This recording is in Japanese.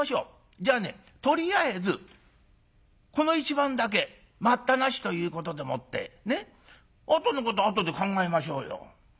じゃあねとりあえずこの１番だけ『待ったなし』ということでもってあとのことはあとで考えましょうよ」。